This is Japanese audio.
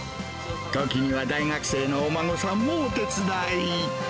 時には大学生のお孫さんもお手伝い。